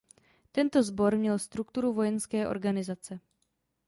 Tento sbor měl strukturu vojenské organizace.